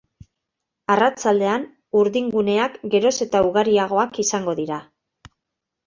Arratsaldean, urdinguneak geroz eta ugariagoak izango dira.